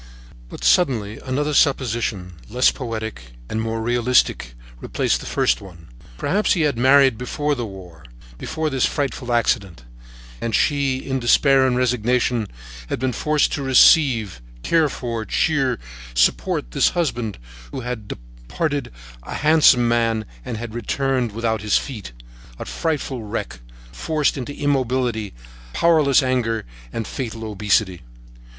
But, suddenly, another supposition, less poetic and more realistic, replaced the first one. Perhaps he had married before the war, before this frightful accident, and she, in despair and resignation, had been forced to receive, care for, cheer, and support this husband, who had departed, a handsome man, and had returned without his feet, a frightful wreck, forced into immobility, powerless anger, and fatal obesity.